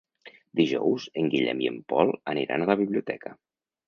Dijous en Guillem i en Pol aniran a la biblioteca.